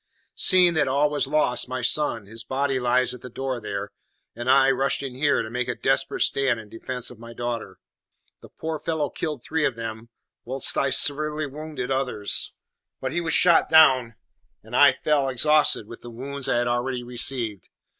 Seeing that all was lost, my son his body lies at the door there and I rushed in here, to make a desperate stand in defence of my daughter. "The poor fellow killed three of them, whilst I severely wounded others; but he was shot down, and I fell, exhausted with the wounds I had already received.